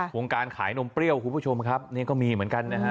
วงการขายนมเปรี้ยวคุณผู้ชมครับนี่ก็มีเหมือนกันนะฮะ